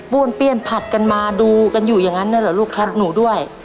้วนเปี้ยนผัดกันมาดูกันอยู่อย่างนั้นเลยเหรอลูกแคทหนูด้วย